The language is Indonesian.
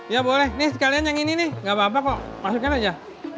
ya boleh nih sekalian yang ini nih gak apa apa kok masukin aja